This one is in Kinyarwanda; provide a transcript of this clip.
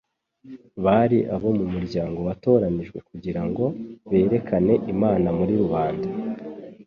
Bari abo mu muryango watoranijwe kugira ngo berekane Imana muri rubanda.